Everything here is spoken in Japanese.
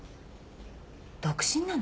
独身なの？